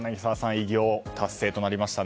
偉業達成となりましたね。